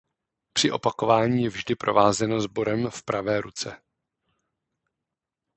Při opakování je vždy provázeno sborem v pravé ruce.